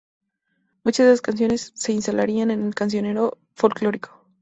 Muchas de esas canciones se instalarían en el cancionero folclórico.